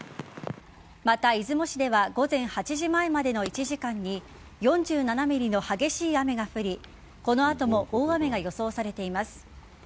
また、出雲市では午前８時前までの１時間に４７ｍｍの激しい雨が降りこの後も大雨が予想されています。